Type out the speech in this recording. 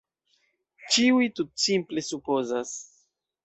Ĉiuj tutsimple supozas.